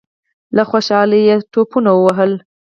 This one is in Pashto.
له خوشالۍ ټوپونه ووهل.